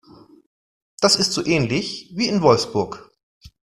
Das ist so ähnlich wie in Wolfsburg